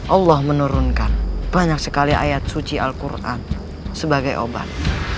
allah menurunkan banyak sekali ayat suci al quran sebagai obat